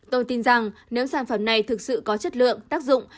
tôi tin rằng nếu sản phẩm này thực sự có chất lượng tác dụng